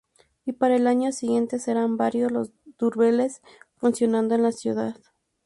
Y para el año siguiente serán varios los burdeles funcionando en la ciudad.